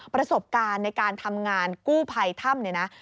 ประสบการณ์ในการทำงานกู้ภัยถ้ำเนี่ยนะ